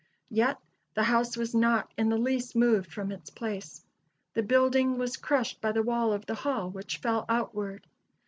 Yet, the house was not in the least moved from its place. The building was crushed by the wall of the hall, which fell outward.